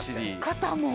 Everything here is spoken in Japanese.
肩も。